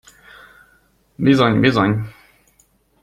Bizony, bizony!